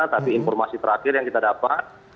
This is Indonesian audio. tapi informasi terakhir yang kita dapat